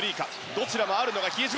どちらもあるのが比江島。